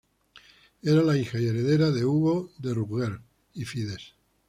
Era la hija y heredera de Hugo de Rouergue y Fides.